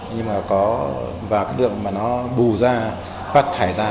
nhưng mà có và cái lượng mà nó bù ra phát thải ra